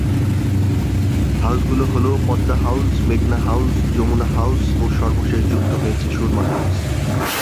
House গুলো হলঃ Padma house, মেঘনা হাউস, যমুনা হাউস ও সর্বশেষ যুক্ত হয়েছে সুরমা হাউস।